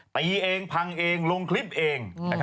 ตีเองพังเองลงคลิปเอง